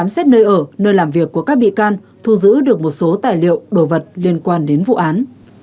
số tài liệu bổ vật liên quan đến vụ án